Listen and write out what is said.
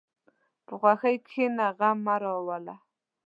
په خوښۍ کښېنه، غم مه راوله.